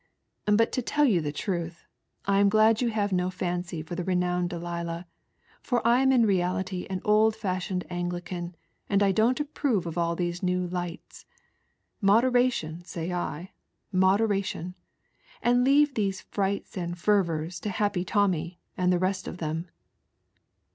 But to tell yon the truth, I am glad you Lave no fancy for the renowned Delia, for I am in reality an old fashioned Anglican, and don't approve of all these new lights. Moderation say I, modera tion, and leave these frights and fervours to Happy Tommy and the rest of them."